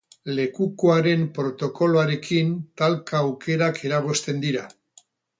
Lekukoaren protokoloarekin talka aukerak eragozten dira.